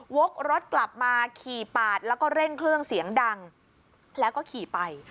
วกรถกลับมาขี่ปาดแล้วก็เร่งเครื่องเสียงดังแล้วก็ขี่ไป